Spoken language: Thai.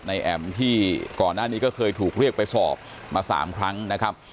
แอ๋มที่ก่อนหน้านี้ก็เคยถูกเรียกไปสอบมา๓ครั้งนะครับ